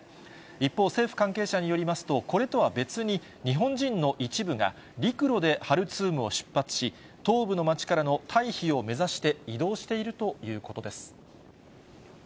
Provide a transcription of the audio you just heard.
一方、政府関係者によりますと、これとは別に、日本人の一部が陸路でハルツームを出発し、東部の町からの退避を目指して移動しているということです。